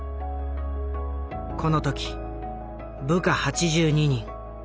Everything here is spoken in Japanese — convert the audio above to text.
この時部下８２人。